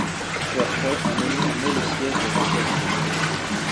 Peu après, un émir met le siège devant Kaisûn.